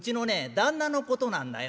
旦那のことなんだよ」。